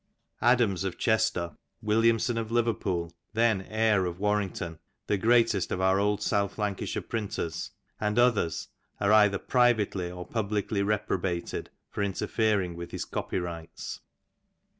Adams of Chester, Williamson of Liverpool, then Eyre of War rington, the greatest of our old South Lancashire printers, and others, are either privately or publicly reprobated for interfering with his copyrights.